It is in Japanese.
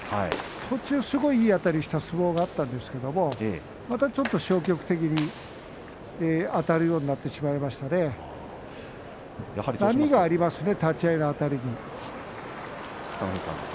途中すごいいいあたりがあった相撲があったんですがまたちょっと消極的にあたるようになってしまいましたので波がありますね。